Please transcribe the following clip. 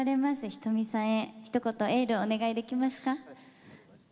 仁美さんにひと言エールをお願いできますか。